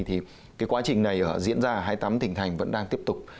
thì cái quá trình này diễn ra hai mươi tám thỉnh thành vẫn đang tiếp tục